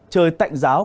trời tạnh giáo